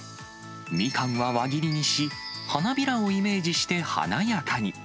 みかんは輪切りにし、花びらをイメージして華やかに。